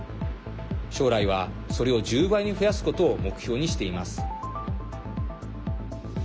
将来は、それを１０倍に増やすことを目標にしています。